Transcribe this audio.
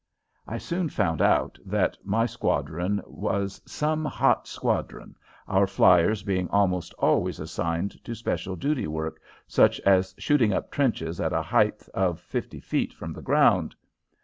I soon found out that my squadron was some hot squadron, our fliers being almost always assigned to special duty work, such as shooting up trenches at a height of fifty feet from the ground!